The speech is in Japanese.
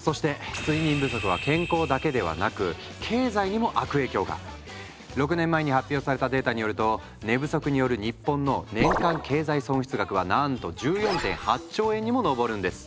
そして睡眠不足は健康だけではなく経済にも悪影響が⁉６年前に発表されたデータによると寝不足による日本の年間経済損失額はなんと１４．８兆円にも上るんです。